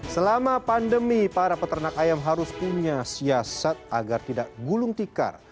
selama pandemi para peternak ayam harus punya siasat agar tidak gulung tikar